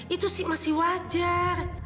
itu sih masih wajar